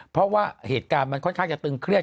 เพราะว่าเหตุการณ์มันค่อนข้างจะตึงเครียด